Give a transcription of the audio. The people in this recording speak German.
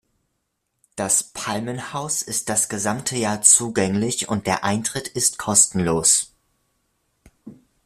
Das Palmenhaus ist das gesamte Jahr zugänglich und der Eintritt ist kostenlos.